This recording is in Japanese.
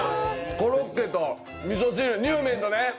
コロッケとみそ汁にゅうめんのね。